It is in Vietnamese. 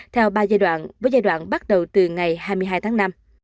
theo ba giai đoạn với giai đoạn bắt đầu từ ngày hai mươi hai tháng năm